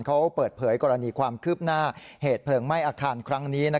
เขาเปิดเผยกรณีความคืบหน้าเหตุเพลิงไหม้อาคารครั้งนี้